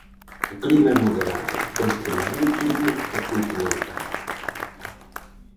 O clima é moderado, entre marítimo e continental.